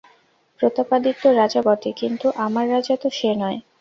প্রতাপাদিত্য রাজা বটে, কিন্তু আমার রাজা তো সে নয়।